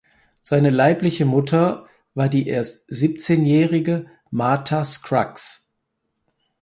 Seine leibliche Mutter war die erst siebzehnjährige Martha Scruggs.